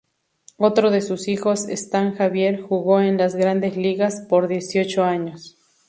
Otro de sus hijos "Stan Javier" jugó en las "Grandes Ligas" por dieciocho años.